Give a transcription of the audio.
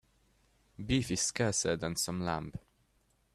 Beef is scarcer than some lamb.